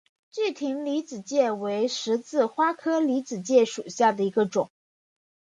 具葶离子芥为十字花科离子芥属下的一个种。